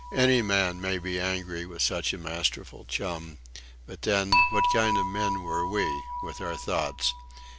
Any man may be angry with such a masterful chum. But, then, what kind of men were we with our thoughts!